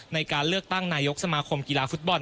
ในการเลือกตั้งนายกสมาคมกีฬาฟุตบอล